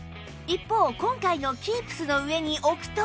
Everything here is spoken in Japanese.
一方今回の Ｋｅｅｐｓ の上に置くと